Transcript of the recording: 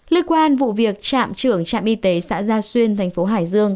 liên quan vụ việc trạm trưởng trạm y tế xã gia xuyên tp hải dương